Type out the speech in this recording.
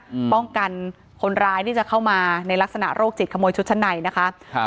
อืมป้องกันคนร้ายที่จะเข้ามาในลักษณะโรคจิตขโมยชุดชั้นในนะคะครับ